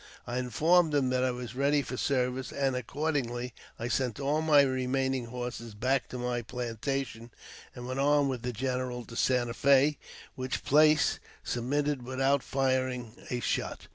I informed him that I was ready for service ; and, accordingly I sent all my remaining horses back to my plantation, and went on with the general to Santa Fe, which place submitted without firing a shot.